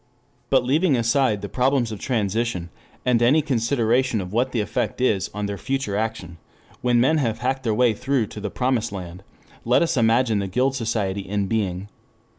3 But leaving aside the problems of transition, and any consideration of what the effect is on their future action, when men have hacked their way through to the promised land, let us imagine the Guild Society in being.